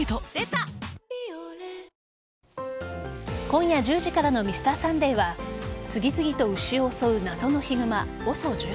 今夜１０時からの「Ｍｒ．サンデー」は次々と牛を襲う謎のヒグマ・ＯＳＯ１８。